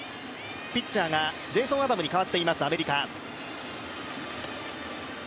ピッチャーがジェイソン・アダムに代わっています、アメリカ。